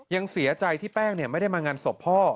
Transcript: ยังเสียใจที่แป้งไม่ได้มางานศพพ่อ